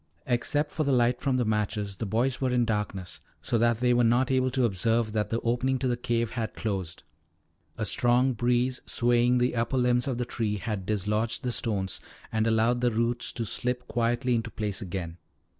Except for the light from the matches, the boys were in darkness, so that they were not able to observe that the opening to the cave had closed. A strong breeze, swaying the upper limbs of the tree, had dislodged the stones and allowed the roots to slip quietly into place again.